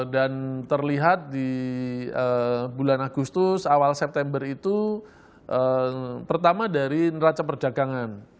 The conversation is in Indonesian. dan terlihat di bulan agustus awal september itu pertama dari neraca perdagangan